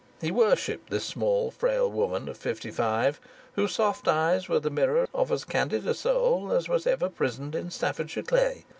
He worshipped this small frail woman of fifty five, whose soft eyes were the mirror of as candid a soul as was ever prisoned in Staffordshire clay.